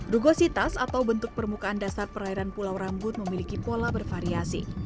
rugositas atau bentuk permukaan dasar perairan pulau rambut memiliki pola bervariasi